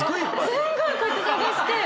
すごいこうやって探して！